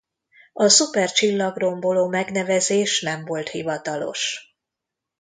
A szuper csillagromboló megnevezés nem volt hivatalos.